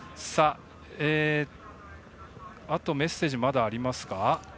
メッセージ、まだありますか。